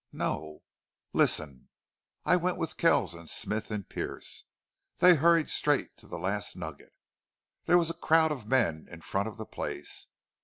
"No." "Listen.... I went with Kells and Smith and Pearce. They hurried straight to the Last Nugget. There was a crowd of men in front of the place.